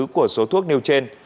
của số thuốc nêu trên